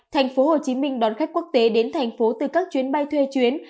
tp hcm đón khách quốc tế đến tp hcm từ các chuyến bay thuê chuyến